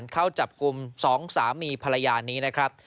เข้าจับกลุ่ม๒สามีภรรยานี้นะครับ